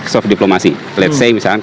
soft diplomasi let's say misalnya